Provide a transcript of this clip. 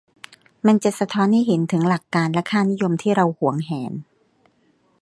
มันจะสะท้อนให้เห็นถึงหลักการและค่านิยมที่เราหวงแหน